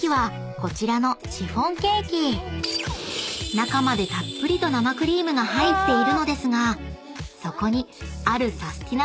［中までたっぷりと生クリームが入っているのですがそこにあるサスティな！